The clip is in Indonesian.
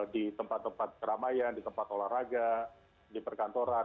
di tempat tempat keramaian di tempat olahraga di perkantoran